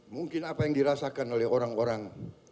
mungkin apa yang dirasakan oleh orang orang